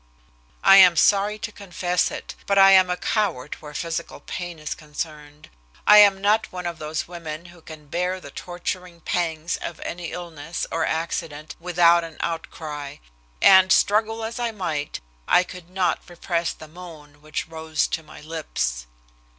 I am sorry to confess it, but I am a coward where physical pain is concerned. I am not one of those women who can bear the torturing pangs of any illness or accident without an outcry. And, struggle as I might, I could not repress the moan which rose to my lips.